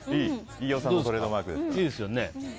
飯尾さんのトレードマークですからね。